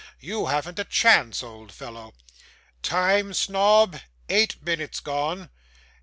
You haven't a chance, old fellow. Time, Snobb?' 'Eight minutes gone.